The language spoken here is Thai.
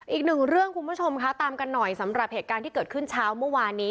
อีกหนึ่งเรื่องคุณผู้ชมค่ะตามกันหน่อยสำหรับเหตุการณ์ที่เกิดขึ้นเช้าเมื่อวานนี้